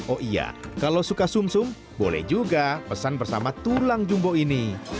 oh iya kalau suka sum sum boleh juga pesan bersama tulang jumbo ini